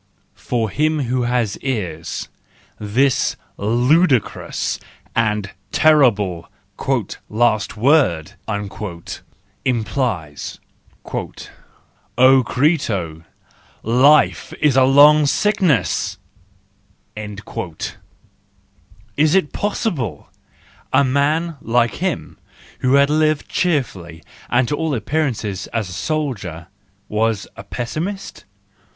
For him who has ears, this ludicrous and terrible " last word " implies: "O Crito, life is a long sickness J" Is it possible! A man like him, who had lived cheerfully and to all appearance as a soldier,— was a pessimist!